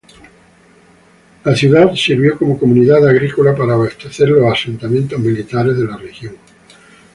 La ciudad sirvió como comunidad agrícola para abastecer los asentamientos militares de la región.